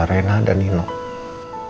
pas bukannya kamu di vetuk untuk ke mobil